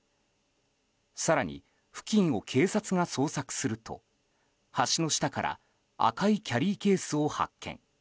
更に、付近を警察が捜索すると橋の下から赤いキャリーケースを発見。